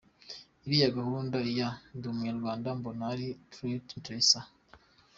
Iriya gahunda ya « Ndi umunyarwanda » mbona ari très intéressant .